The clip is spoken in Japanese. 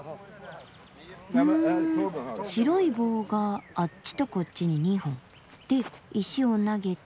ふん白い棒があっちとこっちに２本。で石を投げて。